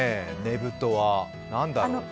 ぶとは、何だろう？